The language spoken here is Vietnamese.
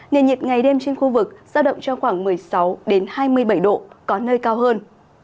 nền nhiệt ngày đêm trên khu vực sao động cho khoảng một mươi sáu đến hai mươi bảy độ có nơi cao hơn